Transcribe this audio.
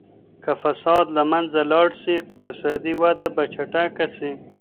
که فساد له منځه لاړ سي اقتصادي وده به چټکه سي.